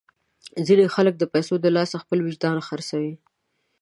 ځینې خلک د پیسو د لاسه خپل وجدان خرڅوي.